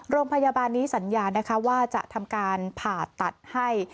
โรงพยาบาลนี้สัญญานะคะว่าจะทำการผ่าตัดให้